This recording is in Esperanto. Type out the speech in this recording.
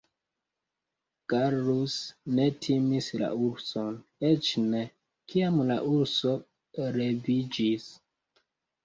Gallus ne timis la urson, eĉ ne, kiam la urso leviĝis.